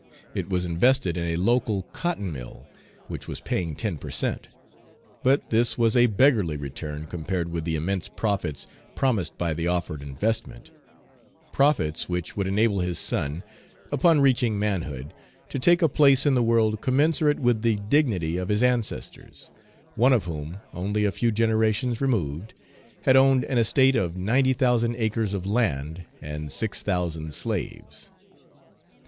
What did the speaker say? It was invested in a local cotton mill, which was paying ten per cent., but this was a beggarly return compared with the immense profits promised by the offered investment, profits which would enable his son, upon reaching manhood, to take a place in the world commensurate with the dignity of his ancestors, one of whom, only a few generations removed, had owned an estate of ninety thousand acres of land and six thousand slaves.